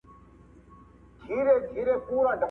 او د هغوئ د پلرونو څخه راپاته دي